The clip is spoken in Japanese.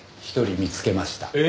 １人見つけました。